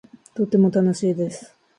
とても楽しいです